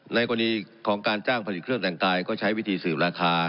ในกรณีของการจ้างผลิตเครื่องแต่งกายก็ใช้วิธีสืบราคา